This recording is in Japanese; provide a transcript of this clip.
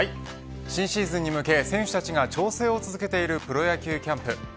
新シーズンに向け選手たちが調整を続けているプロ野球キャンプ。